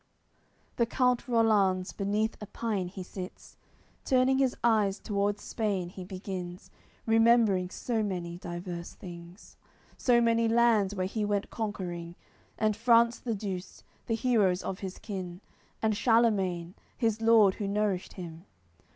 AOI. CLXXVI The count Rollanz, beneath a pine he sits; Turning his eyes towards Spain, he begins Remembering so many divers things: So many lands where he went conquering, And France the Douce, the heroes of his kin, And Charlemagne, his lord who nourished him.